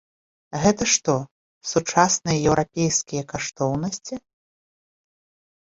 Гэта што, сучасныя еўрапейскія каштоўнасці?